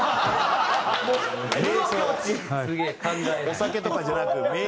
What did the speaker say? お酒とかじゃなく瞑想？